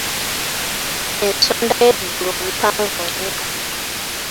Ensonda y’eggulu mpanvu nnyo.